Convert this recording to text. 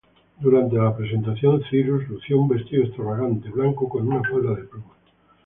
Durante la presentación, Cyrus lució un vestido extravagante, blanco con una falda de plumas.